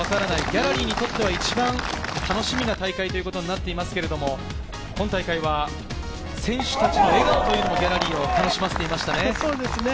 ギャラリーにとっては一番楽しみな大会ということになっていますけれど、今大会は選手たちの笑顔というのもギャラリーを楽しませていましたね。